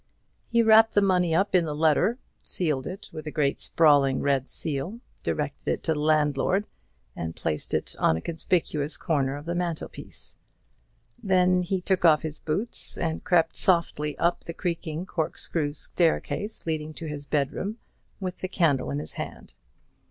He wrapped the money up in the letter, sealed it with a great sprawling red seal, directed it to the landlord, and placed it on a conspicuous corner of the mantel piece. Then he took off his boots, and crept softly up the creaking corkscrew staircase leading to his bedroom, with the candle in his hand.